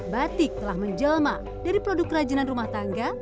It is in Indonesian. batik telah menjelma dari produk kerajinan rumah tangga